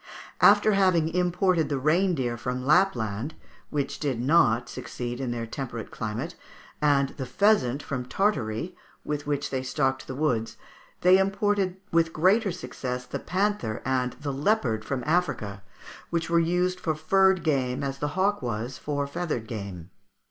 After having imported the reindeer from Lapland, which did not succeed in their temperate climate, and the pheasant from Tartary, with which they stocked the woods, they imported with greater success the panther and the leopard from Africa, which were used for furred game as the hawk was for feathered game.